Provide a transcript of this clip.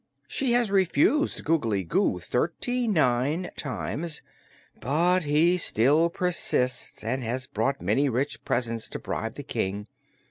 She has refused Googly Goo thirty nine times, but he still persists and has brought many rich presents to bribe the King.